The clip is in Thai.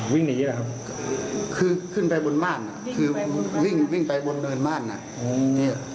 วิ่งหนีแหละครับคือขึ้นไปบนม่านอ่ะคือวิ่งวิ่งไปบนเนินม่านอ่ะ